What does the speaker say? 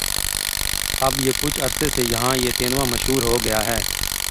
اب یہ کچھ عرصے سے یہاں پہ تیندوا مشہور ہوگیاہے